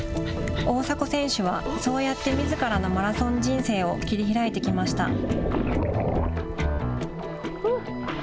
大迫選手は、そうやってみずからのマラソン人生を切り開いてきました。